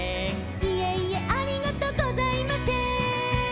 「いえいえありがとうございませーん」